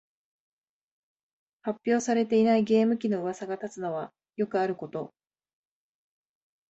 発表されていないゲーム機のうわさが立つのはよくあること